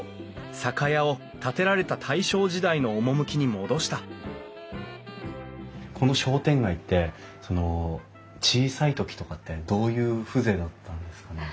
酒屋を建てられた大正時代の趣に戻したこの商店街って小さい時とかってどういう風情だったんですか？